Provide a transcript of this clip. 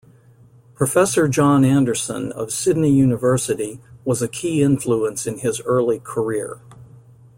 Professor John Anderson of Sydney University was a key influence in his early career.